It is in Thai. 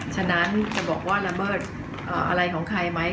ฉะนั้นจะบอกว่าละเมิดอะไรของใครไหม